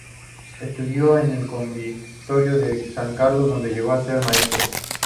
Estudió en el Convictorio de San Carlos, donde llegó a ser maestro.